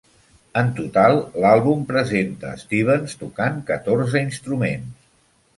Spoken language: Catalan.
En total, l'àlbum presenta a Stevens tocant catorze instruments.